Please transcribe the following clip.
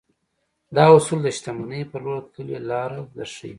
دا اصول د شتمنۍ پر لور تللې لاره درښيي.